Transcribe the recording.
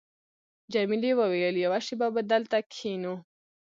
جميلې وويل:، یوه شېبه به دلته کښېنو.